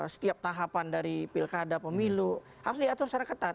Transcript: setiap tahapan dari pilkada pemilu harus diatur secara ketat